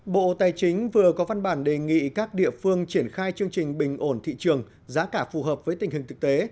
bộ tài chính vừa có văn bản đề nghị các địa phương triển khai chương trình bình ổn thị trường giá cả phù hợp với tình hình thực tế